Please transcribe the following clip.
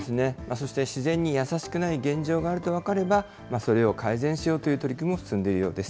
そして自然に優しくない現状があると分かれば、それを改善しようという取り組みも進んでいるようです。